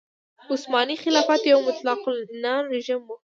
عثماني خلافت یو مطلق العنان رژیم و.